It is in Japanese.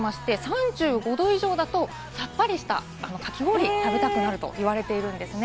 ３５度以上だと、さっぱりしたかき氷、食べたくなると言われています。